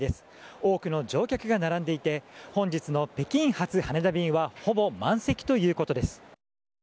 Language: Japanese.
多くの乗客が並んでいて本日の北京発羽田便はほぼ満席ということです。